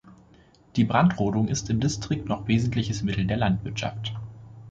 Die Brandrodung ist im Distrikt noch wesentliches Mittel der Landwirtschaft.